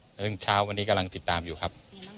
แล้วถึงเช้าวันนี้กำลังติดตามอยู่ครับ